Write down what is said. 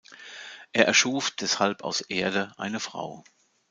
Er erschuf deshalb aus Erde eine Frau.